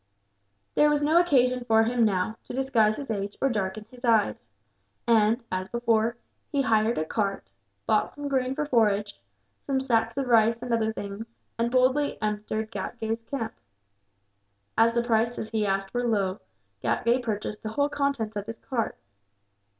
There was no occasion for him, now, to disguise his age or darken his eyes and, as before, he hired a cart, bought some grain for forage, some sacks of rice and other things, and boldly entered Ghatgay's camp. As the prices he asked were low, Ghatgay purchased the whole contents of his cart.